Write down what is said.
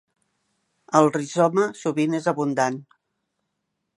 El rizoma sovint és abundant.